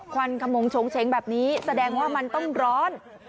วันขมงโฉงเฉงแบบนี้แสดงว่ามันต้องร้อน